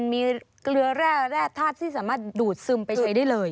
มีเกลือแร่แร่ธาตุที่สามารถดูดซึมไปใช้ได้เลย